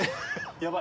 やばい。